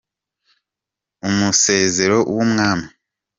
Umusezero w'umwami.